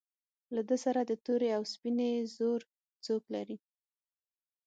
له ده سره د تورې او سپینې زور څوک لري.